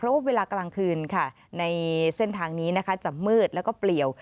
เพราะว่าเวลากลางคืนค่ะในเส้นทางนี้นะคะจะมืดแล้วก็เปลี่ยว